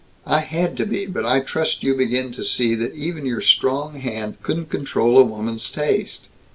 "I had to be! But I trust you begin to see that even your strong hand couldn't control a woman's taste.